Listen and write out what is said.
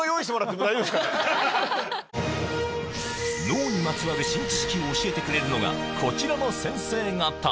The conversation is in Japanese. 脳にまつわる新知識を教えてくれるのがこちらの先生方